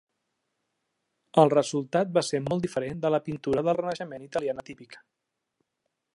El resultat va ser molt diferent de la pintura de Renaixement italiana típica.